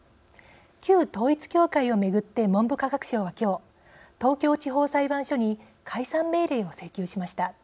旧統一教会を巡って文部科学省は今日東京地方裁判所に解散命令を請求しました。